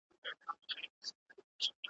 نه پر چا احسان د سوځېدو لري `